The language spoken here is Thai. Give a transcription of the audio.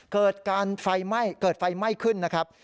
เกิดไฟไหม้ขึ้นนะครับ